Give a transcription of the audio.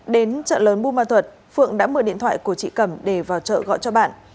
đến chợ lớn buôn ma thuật phượng đã mượn điện thoại của chị cẩm để vào chợ gọi cho bạn